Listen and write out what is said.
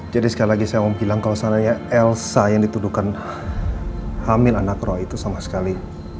sekali lagi saya mau bilang kalau seandainya elsa yang dituduhkan hamil anak roh itu sama sekali